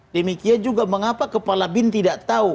demikian juga mengapa kepala bin tidak tahu